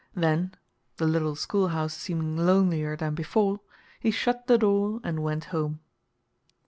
Then, the little schoolhouse seeming lonelier than before, he shut the door and went home.